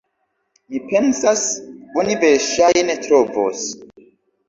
Mi pensas, oni verŝajne trovos.